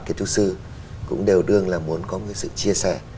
kiến trúc sư cũng đều đương là muốn có một sự chia sẻ